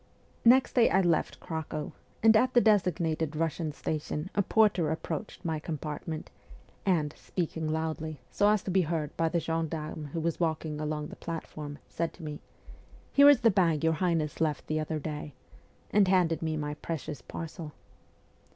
Next day I left Cracow ; and at the designated Russian station a porter approached my compartment, and, speaking loudly, so as to be heard by the gendarme who was walking along the platform, said to me, ' Here is the bag your highness left the other day/ and handed me my precious parcel.